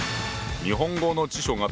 日本語の辞書があった。